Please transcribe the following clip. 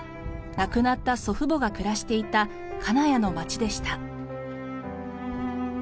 亡くなった祖父母が暮らしていた金谷の町でした。